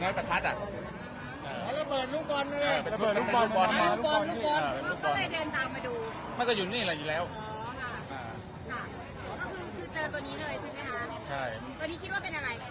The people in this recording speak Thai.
คุณค่ะแล้วก็คือคือเจอตัวนี้เลยคุณไหมคะใช่ตัวนี้คิดว่าเป็นอะไร